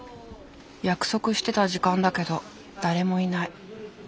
約束してた時間だけど誰もいない。